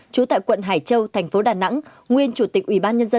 trú tại quận hải châu thành phố đà nẵng nguyên chủ tịch ubnd